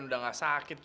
kau mau ngapain